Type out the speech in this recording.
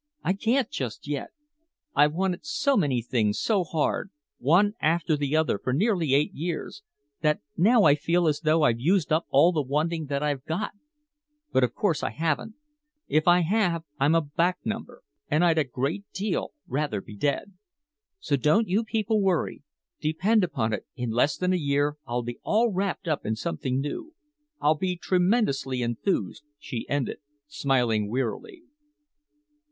"I can't just yet. I've wanted so many things so hard, one after the other for nearly eight years, that now I feel as though I'd used up all the wanting that I've got. But of course I haven't. If I have I'm a back number and I'd a great deal rather be dead. So don't you people worry. Depend upon it, in less than a year I'll be all wrapped up in something new. I'll be tremendously enthused," she ended, smiling wearily.